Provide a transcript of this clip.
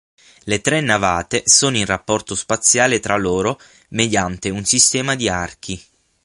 Le tre navate sono in rapporto spaziale tra loro mediante un sistema di archi.